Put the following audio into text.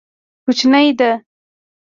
کوچنی ده.